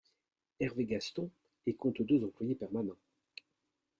Hervé Gaston et compte deux employés permanents.